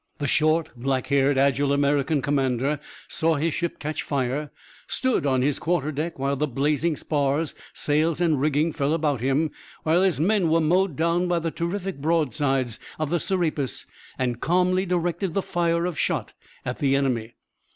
The short, black haired, agile American commander saw his ship catch fire, stood on his quarterdeck while the blazing spars, sails and rigging fell about him, while his men were mowed down by the terrific broadsides of the Serapis, and calmly directed the fire of shot at the enemy.